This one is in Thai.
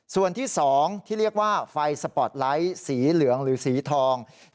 ส่วนที่๒ที่เรียกว่าไฟสปอร์ตไลท์สีเหลืองหรือสีทอง